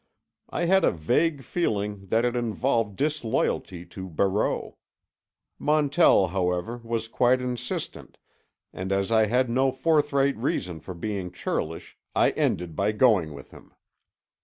I had a vague feeling that it involved disloyalty to Barreau. Montell, however, was quite insistent, and as I had no forthright reason for being churlish I ended by going with him.